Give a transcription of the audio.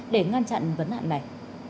để ngăn chặn vấn đạn này